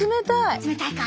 冷たいか？